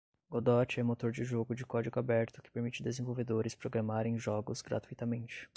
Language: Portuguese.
Godot é motor de jogo de código aberto que permite desenvolvedores programarem jogos gratuitamente